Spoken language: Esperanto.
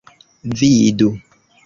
vidu